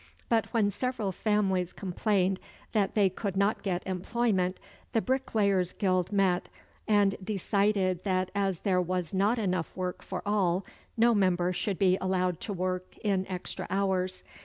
But when several families complained that they could not get employment, the bricklayers' guild met, and decided that as there was not enough work for all, no member should be allowed to work in extra hours.